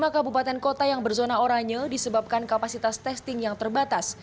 lima kabupaten kota yang berzona oranye disebabkan kapasitas testing yang terbatas